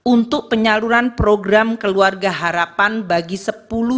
untuk penyaluran program keluarga harapan bagi sepuluh